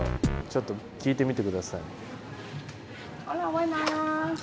ちょっと聞いてみてください。